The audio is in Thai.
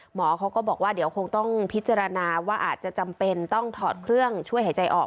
หมอเขาก็บอกว่าเดี๋ยวคงต้องพิจารณาว่าอาจจะจำเป็นต้องถอดเครื่องช่วยหายใจออก